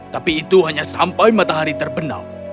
tapi itu hanya sampai matahari terbenam